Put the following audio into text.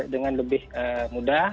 dengan lebih mudah